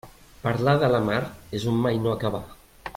Parlar de la mar és un mai no acabar.